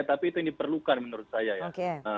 tapi itu yang diperlukan menurut saya ya